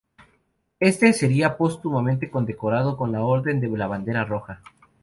Éste sería póstumamente condecorado con la Orden de la Bandera Roja.